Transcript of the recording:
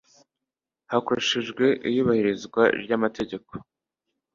hakoreshejwe iyubahirizwa ry amategeko